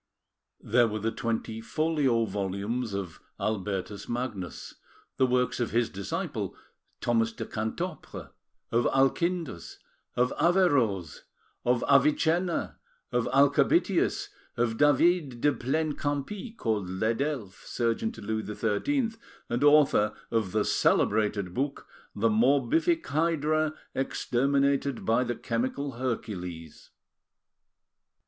There were the twenty folio volumes of Albertus Magnus; the works of his disciple, Thomas de Cantopre, of Alchindus, of Averroes, of Avicenna, of Alchabitius, of David de Plaine Campy, called L'Edelphe, surgeon to Louis XIII and author of the celebrated book The Morbific Hydra Exterminated by the Chemical Hercules.